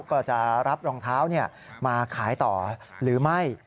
ก็จะรับรองเท้ามาขายต่อหรือไม่